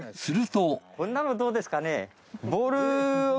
するとこんなのどうですかね？